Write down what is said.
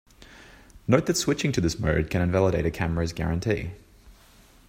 Note that switching to this mode can invalidate a camera's guarantee.